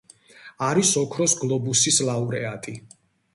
არის ოქროს გლობუსის ლაურეატი.